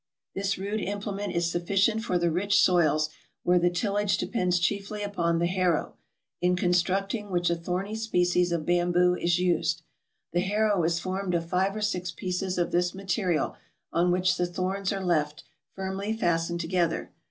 This rude implement is sufficient for the rich soils, where the tillage depends chiefly upon the harrow, in constructing which a thorny species of bamboo is used. The harrow is formed of five or six pieces of this material, on which the thorns are left, firmly fastened together.